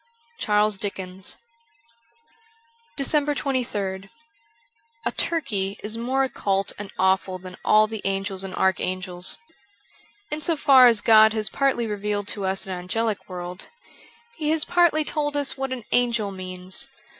^Charles Dickens.' 395 DECEMBER 23rd A TURKEY is more occult and awful than all the angels and archangels. In so far as God has partly revealed to us an angelic world, He has partly told us what an angel means.